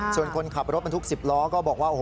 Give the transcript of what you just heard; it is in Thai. ส่วนคนขับรถบันทุก๑๐ล้อก็บอกว่า